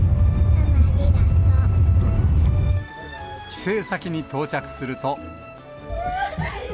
帰省先に到着すると。